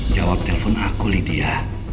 jawab telpon aku lydia